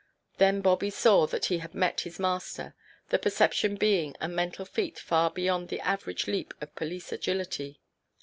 Then Bobby saw that he had met his master, the perception being a mental feat far beyond the average leap of police agility.